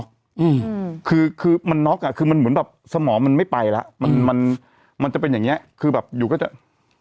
อืมคือคือมันน็อกอ่ะคือมันเหมือนแบบสมองมันไม่ไปแล้วมันมันมันจะเป็นอย่างเงี้คือแบบอยู่ก็จะ